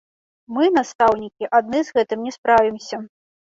Мы, настаўнікі, адны з гэтым не справімся.